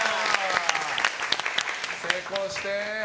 成功して！